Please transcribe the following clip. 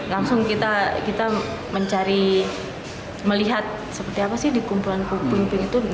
langsung kita mencari melihat seperti apa sih di kumpulan puing puing itu